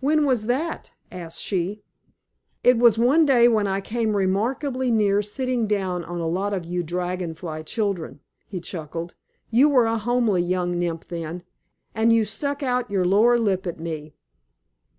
"When was that?" asked she. "It was one day when I came remarkably near sitting down on a lot of you Dragon Fly children," he chuckled. "You were a homely young Nymph then, and you stuck out your lower lip at me."